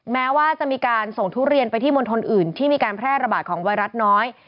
แม้ว่าจะมีการส่งทุเรียนไปที่มณฑลอื่นที่มีการแพร่ระบาดของไวรัสน้อย